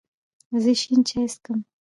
زه شین چای څښم